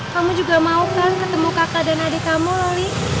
kamu juga mau kan ketemu kakak dan adik kamu loli